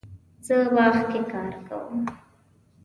زه باغ کې کار کوم